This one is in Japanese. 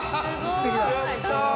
◆やったー！